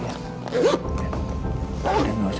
tanganin dulu ya